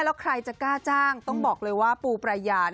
แล้วใครจะกล้าจ้างต้องบอกเลยว่าปูปรายา